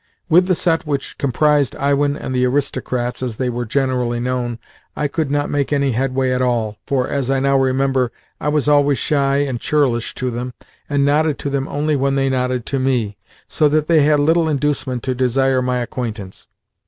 With the set which comprised Iwin and "the aristocrats," as they were generally known, I could not make any headway at all, for, as I now remember, I was always shy and churlish to them, and nodded to them only when they nodded to me; so that they had little inducement to desire my acquaintance.